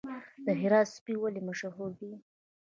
د هرات سپي ولې مشهور دي؟